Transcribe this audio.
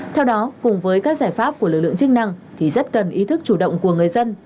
theo đó cùng với các giải pháp của lực lượng chức năng thì rất cần ý thức chủ động của người dân